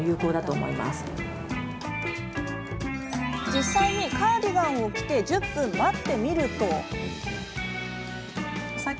実際に、カーディガンを着て１０分待ってみると。